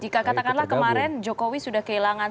jika katakanlah kemarin jokowi sudah kehilangan